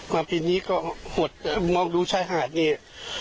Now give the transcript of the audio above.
มาปีนี้ก็หดแต่มองดูชายหาดนี่